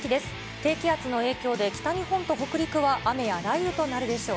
低気圧の影響で、北日本と北陸は雨や雷雨となるでしょう。